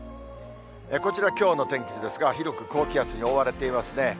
こちら、きょうの天気図ですが、広く高気圧に覆われていますね。